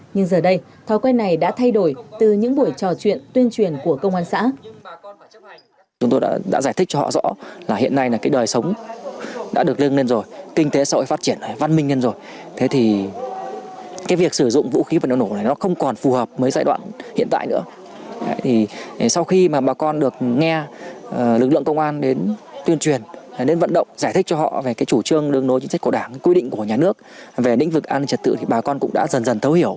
nhưng giờ đây thói quen này đã thay đổi từ những buổi trò chuyện tuyên truyền của công an xã